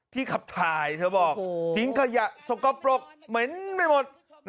ขับถ่ายเธอบอกทิ้งขยะสกปรกเหม็นไม่หมด